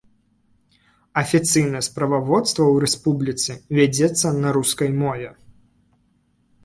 Афіцыйнае справаводства ў рэспубліцы вядзецца на рускай мове.